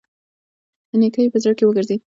نيکه يې په زړه کې وګرځېد.